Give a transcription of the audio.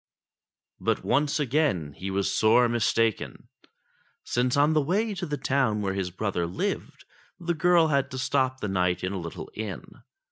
But once again he was sore mistaken ; since on the way to the town where his brother lived, the girl had to stop the night in a little inn.